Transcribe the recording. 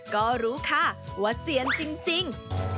ก็รู้ค่ะว่าเซียนจริง